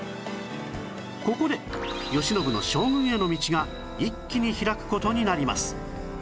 ここで慶喜の将軍への道が一気に開く事になります